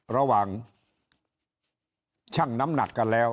ระหว่างชั่งน้ำหนักกันแล้ว